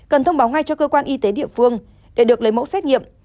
cần thông báo ngay cho cơ quan y tế địa phương để được lấy mẫu xét nghiệm